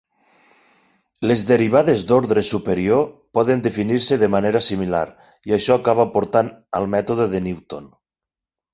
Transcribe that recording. Les derivades d'ordre superior poden definir-se de manera similar i això acaba portant al mètode de Newton.